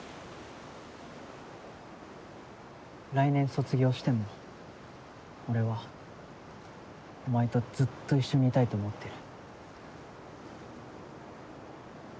来年卒業しても俺はお前とずっと一緒にいたいと思ってる。